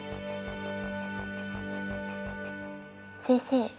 先生